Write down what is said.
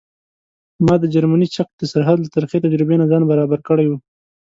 ما د جرمني چک د سرحد له ترخې تجربې نه ځان برابر کړی و.